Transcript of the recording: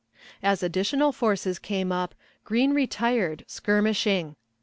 As additional forces came up, Green retired, skirmishing.